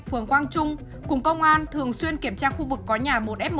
phường quang trung cùng công an thường xuyên kiểm tra khu vực có nhà một f một